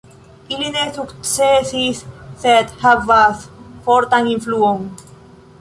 Ili ne sukcesis sed havas fortan influon.